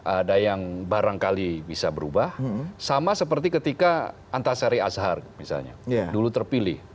ada yang barangkali bisa berubah sama seperti ketika antasari azhar misalnya dulu terpilih